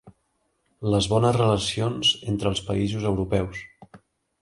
Les bones relacions entre els països europeus.